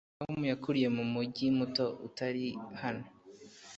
Tom yakuriye mu mujyi muto utari hano.